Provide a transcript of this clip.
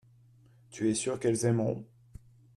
tu es sûr qu'elles aimeront.